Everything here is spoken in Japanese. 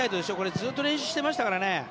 ずっと練習してましたからね。